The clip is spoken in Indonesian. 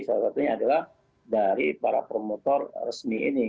salah satunya adalah dari para promotor resmi ini